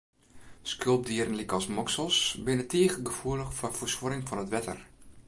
Skulpdieren lykas moksels, binne tige gefoelich foar fersuorring fan it wetter.